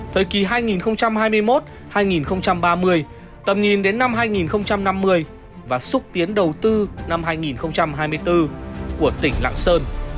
thời kỳ hai nghìn hai mươi một hai nghìn ba mươi tầm nhìn đến năm hai nghìn năm mươi và xúc tiến đầu tư năm hai nghìn hai mươi bốn của tỉnh lạng sơn